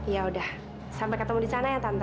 yaudah sampai ketemu di sana ya tante